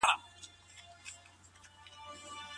د ماشوم زېږول د مور هورموني بدلونونه زیاتوي.